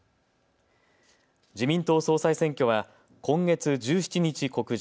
自民党総裁選挙は今月１７日告示、